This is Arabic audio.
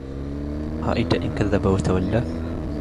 أَرَأَيْتَ إِنْ كَذَّبَ وَتَوَلَّى